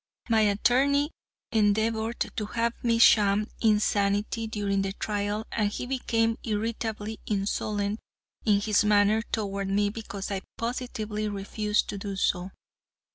My attorney endeavored to have me sham insanity during the trial, and he became irritably insolent in his manner toward me because I positively refused to do so.